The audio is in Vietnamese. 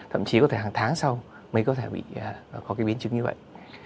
thậm chí có thể hàng tháng sau mới có thể bị có cái biến chứng như vậy